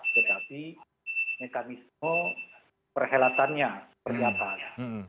tetapi mekanisme perhelatannya pernyataannya